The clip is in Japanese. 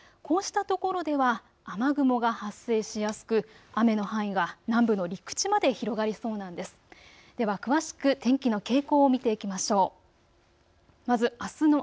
こうしたところでは雨雲が発生しやすく、雨の範囲が南部の陸地まで広がりそうなんです。